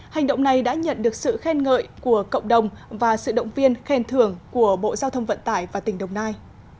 hành động này đã nhận được sự khen ngợi của cộng đồng và sự động viên khen thưởng của bộ giao thông vận tải và tỉnh đồng nai